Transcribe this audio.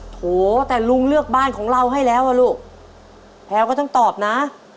โถแต่ลุงเลือกบ้านของเราให้แล้วอ่ะลูกแพลวก็ต้องตอบนะ